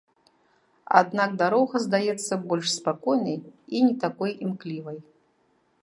Аднак дарога здаецца больш спакойнай і не такой імклівай.